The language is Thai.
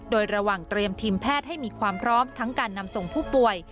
โดยระหว่างเตรียมทีมแพทย์ให้มีความพร้อมทั้งการนำส่งผู้ป่วย